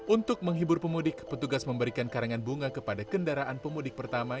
untuk menghibur pemudik petugas memberikan karangan bunga kepada kendaraan pemudik pertama